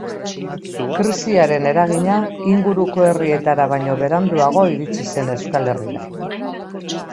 Krisiaren eragina inguruko herrietara baino beranduago iritsi zen Euskal Herrira.